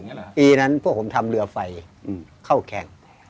เพราะฉะนั้นพวกผมทำเรือไฟเข้าแข่ง